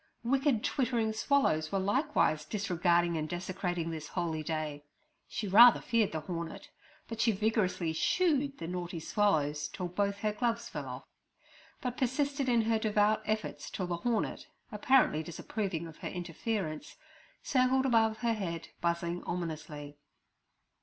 Wicked twittering swallows were likewise disregarding and desecrating this holy day. She rather feared the hornet, but she vigorously 'shooed' the naughty swallows till both her gloves fell off; but persisted in her devout efforts till the hornet, apparently disapproving of her interference, circled above her head, buzzing ominously.